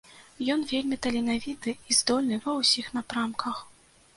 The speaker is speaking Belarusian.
Ён вельмі таленавіты і здольны ва ўсіх напрамках.